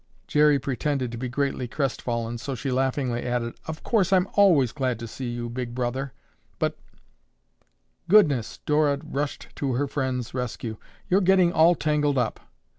Jerry pretended to be greatly crestfallen, so she laughingly added, "Of course I'm always glad to see you, Big Brother, but—" "Goodness!" Dora rushed to her friend's rescue. "You're getting all tangled up."